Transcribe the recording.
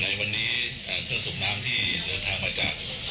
ในวันนี้เครื่องสูบน้ำที่เดินทางมาจาก